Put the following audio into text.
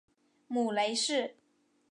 母雷氏。